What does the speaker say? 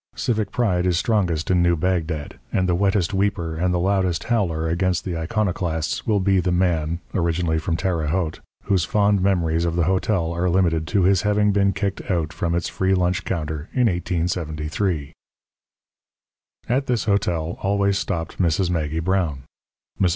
Civic pride is strongest in New Bagdad; and the wettest weeper and the loudest howler against the iconoclasts will be the man (originally from Terre Haute) whose fond memories of the old hotel are limited to his having been kicked out from its free lunch counter in 1873. At this hotel always stopped Mrs. Maggie Brown. Mrs.